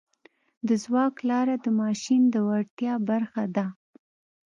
د ځواک لاره د ماشین د وړتیا برخه ده.